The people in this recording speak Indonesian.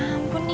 ya ampun ya